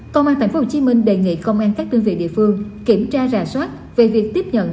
công an tp hcm đề nghị công an các đơn vị địa phương kiểm tra rà soát về việc tiếp nhận